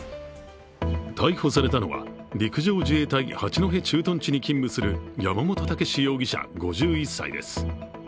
逮捕されたのは、陸上自衛隊八戸駐屯地に勤務する山本剛５１歳です。